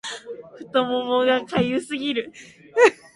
太ももが痒すぎる